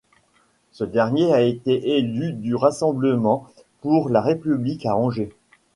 Ce dernier a été un élu du Rassemblement pour la République à Angers.